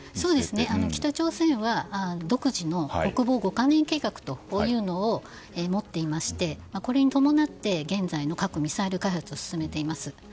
北朝鮮は独自の国防５か年計画というのを持っていまして、これに伴って現在の核・ミサイル開発を進めています。